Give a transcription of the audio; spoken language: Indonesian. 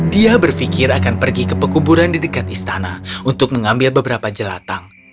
dia berpikir akan pergi ke pekuburan di dekat istana untuk mengambil beberapa jelatang